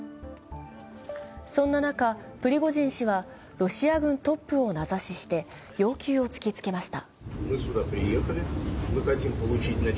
そんな中、プリゴジン氏はロシア軍トップを名指しして要求を突きつけました。